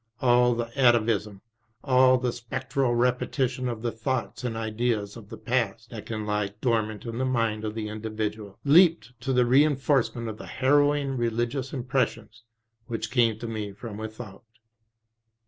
All the atavism, all the spectral repetition of the thoughts an^ ideas of the past that can lie dormant in the mind of the individual, leaped to the reinforcement of the harrowing religious impressions which came to me from without.